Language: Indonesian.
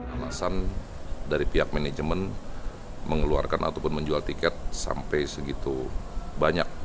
alasan dari pihak manajemen mengeluarkan ataupun menjual tiket sampai segitu banyak